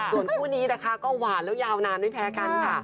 ส่วนคู่นี้นะคะก็หวานแล้วยาวนานไม่แพ้กันค่ะ